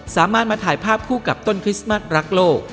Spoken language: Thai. สามารถมาถ่ายภาพคู่กับต้นคริสต์มัสรักโลก